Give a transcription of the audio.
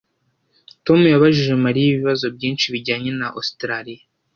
Tom yabajije Mariya ibibazo byinshi bijyanye na Ositaraliya